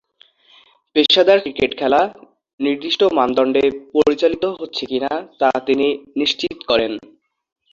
পেশাদার ক্রিকেট খেলা নির্দিষ্ট মানদণ্ডে পরিচালিত হচ্ছে কি-না তা তিনি নিশ্চিত করেন।